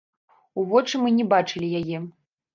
У вочы мы не бачылі яе!